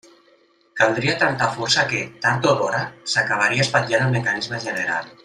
Caldria tanta força que, tard o d'hora, s'acabaria espatllant el mecanisme general.